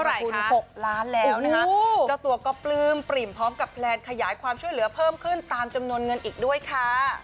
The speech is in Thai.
คุณ๖ล้านแล้วนะคะเจ้าตัวก็ปลื้มปริ่มพร้อมกับแพลนขยายความช่วยเหลือเพิ่มขึ้นตามจำนวนเงินอีกด้วยค่ะ